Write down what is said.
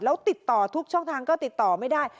แล้วติดต่อทุกช่องทางก็ติดต่อไม่ได้